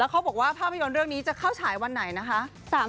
เขาบอกว่าภาพยนตร์เรื่องนี้จะเข้าฉายวันไหนนะคะ